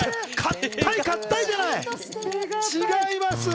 違います。